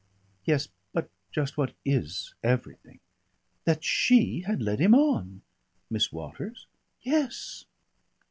Yes, but just what is everything?" "That she had led him on." "Miss Waters?" "Yes."